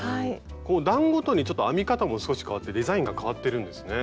こう段ごとにちょっと編み方も少しかわってデザインがかわってるんですね。